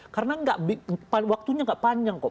karena enggak waktunya enggak panjang kok